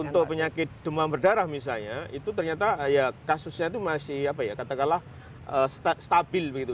untuk penyakit demam berdarah misalnya itu ternyata ya kasusnya itu masih apa ya katakanlah stabil begitu